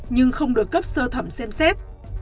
nhưng không được cấp sơ thẩm xem xét